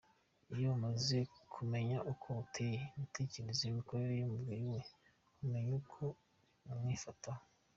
Iyo umaze kumenya uko ateye, imitekerereze, imikorere y’umubiri we, umenya n’uko umwifataho.